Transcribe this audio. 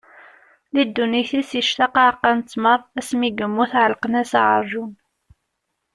Di ddunit-is ictaq aɛeqqa n ttmer; asmi i yemmut ɛellqen-as aɛerjun.